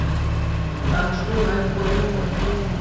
তার ছোট ভাই কুয়েটে পড়ে।